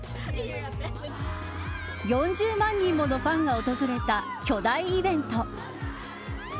４０万人ものファンが訪れた巨大イベント。